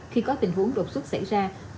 khi có tình huống đột xuất xảy ra hay không